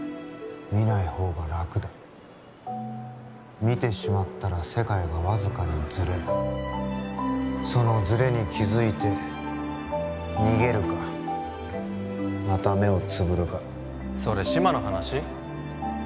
見ない方が楽だ見てしまったら世界がわずかにずれるそのずれに気づいて逃げるかまた目をつぶるかそれ志摩の話？